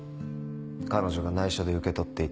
彼女が内緒で受け取っていた